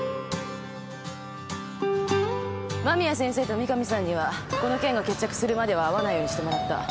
間宮先生と三神さんにはこの件が決着するまでは会わないようにしてもらった。